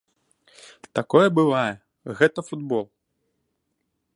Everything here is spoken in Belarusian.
Такое бывае, гэта футбол.